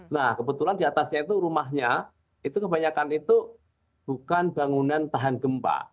nah kebetulan di atasnya itu rumahnya itu kebanyakan itu bukan bangunan tahan gempa